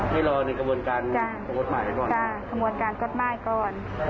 ให้รอในกระบวนการของกฎหมายก่อนค่ะกระบวนการกฎหมายก่อน